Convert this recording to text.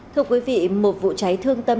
thưa quý vị một vụ cháy thương tâm